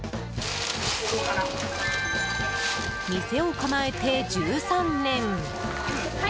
店を構えて１３年。